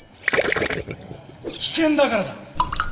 危険だからだ！